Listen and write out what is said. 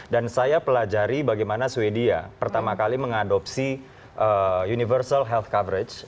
dan saya pelajari bagaimana swedia pertama kali mengadopsi universal health coverage